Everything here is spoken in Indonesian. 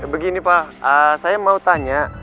begini pak saya mau tanya